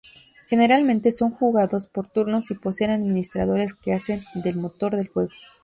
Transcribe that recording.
Generalmente son jugados por turnos y poseen administradores que hacen del motor del juego.